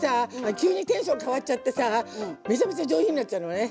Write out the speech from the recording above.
急にテンション変わっちゃってさめちゃめちゃ上品になっちゃうのね。